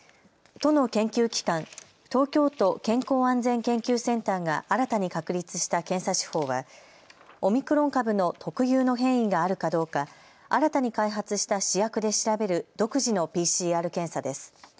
都の研究機関、東京都健康安全研究センターが新たに確立した検査手法はオミクロン株の特有の変異があるかどうか新たに開発した試薬で調べる独自のＰＣＲ検査です。